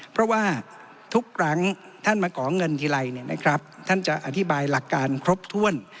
เพราะว่าทุกครั้งท่านมาขอเงินทีไรท่านจะอธิบายหลักการครบถ้วน